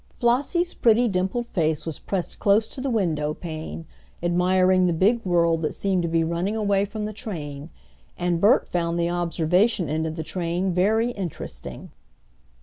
Flossie's pretty dimpled face was pressed close to the window pane, admiring the big world that seemed to be running away from the train, and Bert found the observation end of the train very interesting.